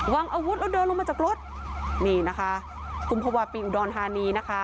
อาวุธแล้วเดินลงมาจากรถนี่นะคะกุมภาวะปีอุดรธานีนะคะ